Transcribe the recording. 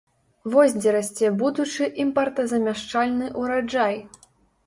Вось дзе расце будучы імпартазамяшчальны ўраджай!